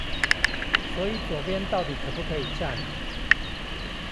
所以左邊到底可不可以站